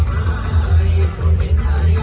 กลับไปกลับไป